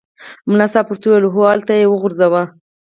ملا صاحب ورته وویل هوغلته یې وغورځوه.